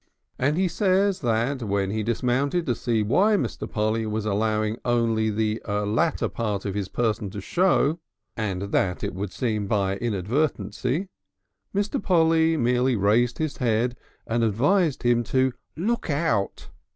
And he says that when he dismounted to see why Mr. Polly was allowing only the latter part of his person to show (and that it would seem by inadvertency), Mr. Polly merely raised his head and advised him to "Look out!"